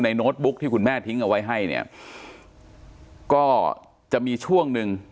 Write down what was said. โน้ตบุ๊กที่คุณแม่ทิ้งเอาไว้ให้เนี่ยก็จะมีช่วงหนึ่ง